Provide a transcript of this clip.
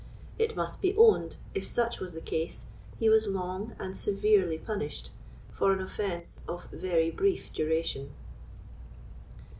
It must be owned, if such was the case, he was long and severely punished for an offence of very brief duration.